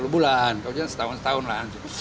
sepuluh bulan kalau tidak setahun setahun lah